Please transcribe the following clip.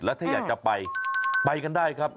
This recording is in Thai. ถ้าอยากจะไปไปกันได้ครับ